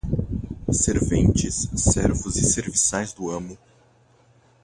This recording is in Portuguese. Serventes, servos e serviçais do amo